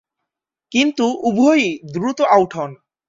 কিন্তু উভয়েই দ্রুত আউট হন।